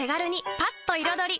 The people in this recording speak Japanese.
パッと彩り！